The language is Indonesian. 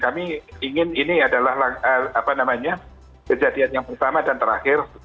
kami ingin ini adalah kejadian yang pertama dan terakhir